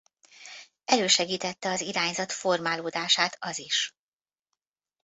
Elősegítette az irányzat formálódását az is.